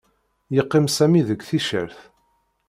Yeqqim Sami deg ticcert